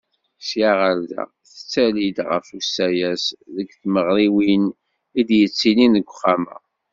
Sya ɣer da, tettali-d ɣef usayes deg tmeɣriwin i d-yettilin deg Uxxam-a.